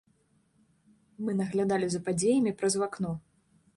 Мы наглядалі за падзеямі праз вакно.